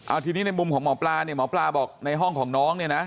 เอาทีนี้ในมุมของหมอปลาเนี่ยหมอปลาบอกในห้องของน้องเนี่ยนะ